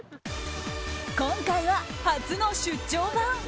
今回は初の出張版。